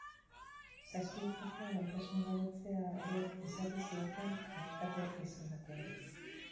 Zazpi urteko gaitasungabetzea ere ezarri zioten alkate izandakoari.